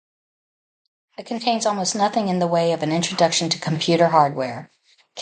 It contains almost nothing in the way of an introduction to computer hardware.